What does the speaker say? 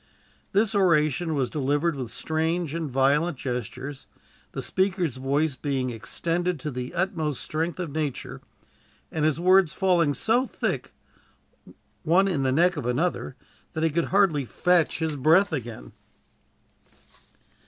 This oration was delivered with strange and violent gestures, the speaker's voice being extended to the uttermost strength of nature, and his words falling so thick, one in the neck of another, that he could hardly fetch his breath again.